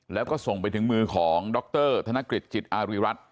แล้วก็ส่งไปถึงมือของดรธนกฤษจิตอารีรัฐ